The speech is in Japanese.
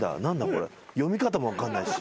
これ読み方も分かんないし。